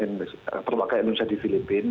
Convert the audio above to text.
yang terpakai indonesia di filipina